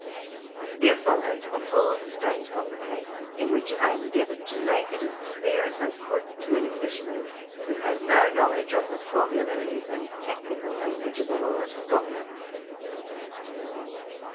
[Here followed a full state of the case, in which I endeavoured to make it as clear as I could to an Englishman, who had no knowledge of the formularies and technical language of the law of Scotland.